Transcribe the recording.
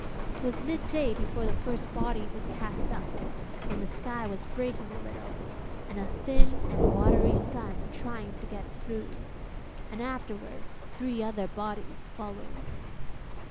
'Twas midday before the first body was cast up, when the sky was breaking a little, and a thin and watery sun trying to get through, and afterwards three other bodies followed.